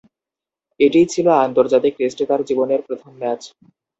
এটিই ছিল আন্তর্জাতিক টেস্টে তার জীবনের প্রথম ম্যাচ।